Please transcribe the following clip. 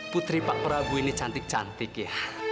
putri pak prabu ini cantik cantik ya